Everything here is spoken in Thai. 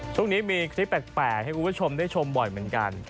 ช่วงนี้มีคลิปแปลกให้คุณผู้ชมได้ชมบ่อยเหมือนกัน